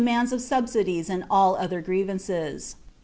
mtinds of subsidies and all other grieTanceB.